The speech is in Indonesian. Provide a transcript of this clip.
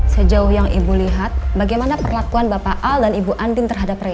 sejauh yang ibu lihat bagaimana perlakuan bapak al dan ibu andin terhadap